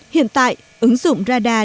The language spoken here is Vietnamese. hiện tại ứng dụng radar